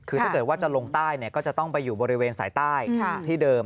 คือถ้าเกิดว่าจะลงใต้ก็จะต้องไปอยู่บริเวณสายใต้ที่เดิม